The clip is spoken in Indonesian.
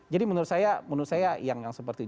jadi menurut saya yang seperti itu